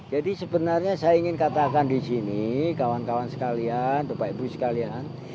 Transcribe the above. jadi sebenarnya saya ingin katakan di sini kawan kawan sekalian bapak ibu sekalian